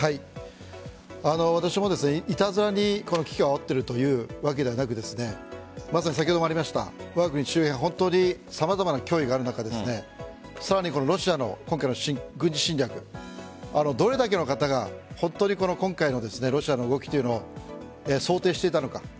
私もいたずらにこの危機を煽っているというわけではなくて先ほどにもありましたがわが国周辺は様々な脅威がある中でロシアの今回の軍事侵略どれだけの方が、本当に今回のロシアの動きというのを想定していたのか。